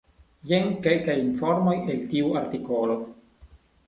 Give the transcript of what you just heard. Jen kelkaj informoj el tiu artikolo.